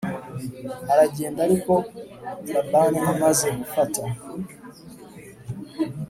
Aragenda Ariko Labani amaze gufata